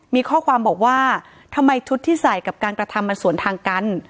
มีข้อความบอกว่าทำไมชุดที่ใส่กับการกระทำมันสวนทางกัน